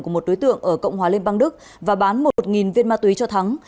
của một đối tượng ở cộng hòa liên bang đức và bán một viên ma túy cho thắng